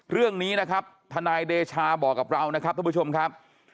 เรื่องนี้นะครับทนายเดชาบอกกับเรานะครับทุกผู้ชมครับ